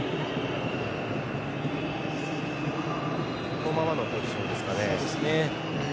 このままのポジションですかね。